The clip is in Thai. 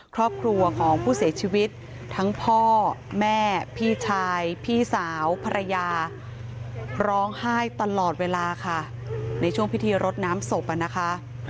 ครอบครัวของผู้เสียชีวิตทั้งพ่อแม่พี่ชายพี่สาวภรรยาร้องไห้ตลอดเวลาค่ะในช่วงพิธีรดน้ำศพนะคะ